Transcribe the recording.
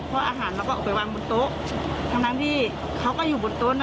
เพราะอาหารเราก็ออกไปวางบนโต๊ะทั้งที่เขาก็อยู่บนโต๊ะนะ